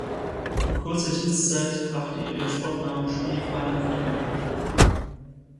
Die kurze Dienstzeit brachte ihr den Spottnamen "Steh-fahr-nie" ein.